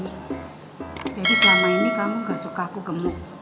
jadi selama ini kamu gak suka aku gemuk